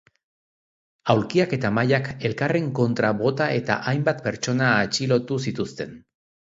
Aulkiak eta mahaiak elkarren kontra bota eta hainbat pertsona atxilotu zituzten.